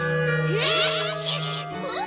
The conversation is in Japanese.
えっ？